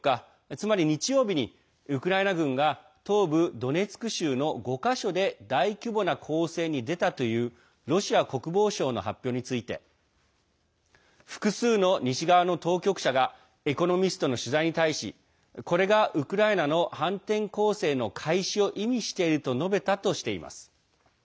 つまり日曜日にウクライナ軍が東部ドネツク州の５か所で大規模な攻勢に出たというロシア国防省の発表について複数の西側の当局者が「エコノミスト」の取材に対しこれがウクライナの反転攻勢の開始を意味していると述べたとしています。